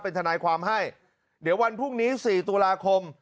เป็นทนายความให้เดี๋ยววันพรุ่งนี้๔ตุลาคม